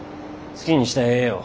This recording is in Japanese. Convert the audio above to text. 好きにしたらええよ。